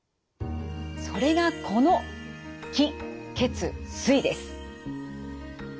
それがこの気・血・水です。